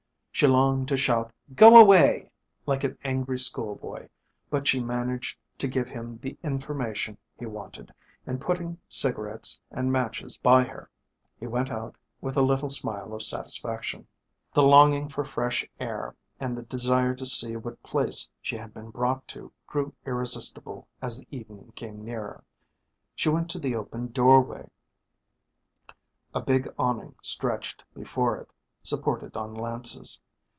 She longed to shout "Go away!" like an angry schoolboy, but she managed to give him the information he wanted, and putting cigarettes and matches by her he went out with a little smile of satisfaction. The longing for fresh air and the desire to see what place she had been brought to grew irresistible as the evening came nearer. She went to the open doorway. A big awning stretched before it, supported on lances.